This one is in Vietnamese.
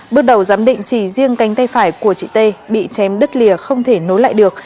bước đầu giám định chỉ riêng cánh tay phải của chị t bị chém đứt lìa không thể nối lại được